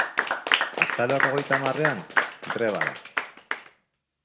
Azaroak hogeita hamarrean, grebara